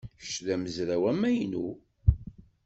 Kečč d amezraw amaynu?